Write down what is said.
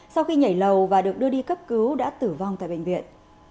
sau khi nhảy lầu và được đưa đi cấp cứu đã tử vong tại bệnh viện